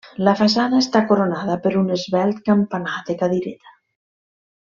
La façana està coronada per un esvelt campanar de cadireta.